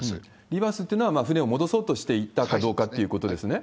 リバースっていうのは船を戻そうとしていったかどうかということですね？